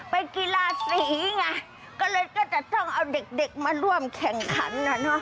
เป็นกีฬาสีไงก็เลยก็จะต้องเอาเด็กมาร่วมแข่งขัน